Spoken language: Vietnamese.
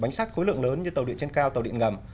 bánh sắt khối lượng lớn như tàu điện trên cao tàu điện ngầm